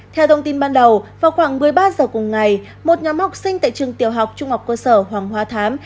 theo thông tin ban đầu vào khoảng một mươi ba h cùng ngày một nhóm học sinh tại trường tiểu học trung học cơ sở hoàng hóa thám